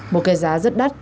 một cái giá rất đắt